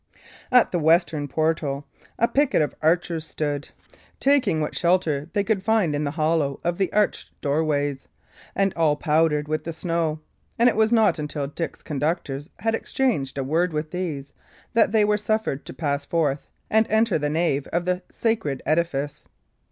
At the western portal a picket of archers stood, taking what shelter they could find in the hollow of the arched doorways, and all powdered with the snow; and it was not until Dick's conductors had exchanged a word with these, that they were suffered to pass forth and enter the nave of the sacred edifice.